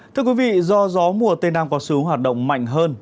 thưa quý vị do gió mùa tây nam có xu hoạt động mạnh hơn